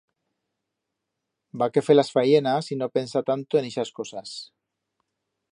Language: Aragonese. B'ha que fer las fayenas y no pensar tanto en ixas cosas.